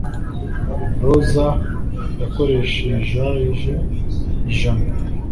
roza yakoreshaeje ijana,